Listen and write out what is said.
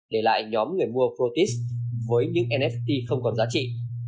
để lại nhóm người mua fortis với những nft không còn giá trị